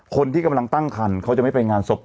คนที่กำลังตั้งคันเขาจะไม่ไปงานศพ